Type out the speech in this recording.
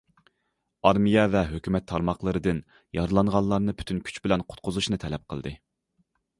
ئارمىيە ۋە ھۆكۈمەت تارماقلىرىدىن يارىلانغانلارنى پۈتۈن كۈچ بىلەن قۇتقۇزۇشنى تەلەپ قىلدى.